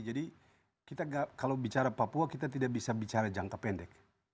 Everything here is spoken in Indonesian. jadi kita kalau bicara papua kita tidak bisa bicara jangka pendek